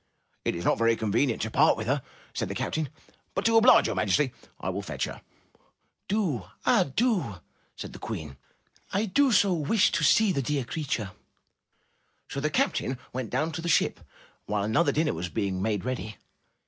"It is not very convenient to part with her," said the captain, "but to oblige your majesty, I will fetch her." "Do! Ah, do!" said the Queen. "I do so wish to see the dear creature!" 337 MY BOOK HOUSE So the captain went down to the ship, while another dinner was being made ready.